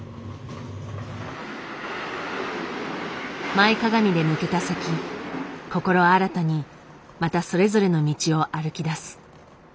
前かがみで抜けた先心新たにまたそれぞれの道を歩き出す。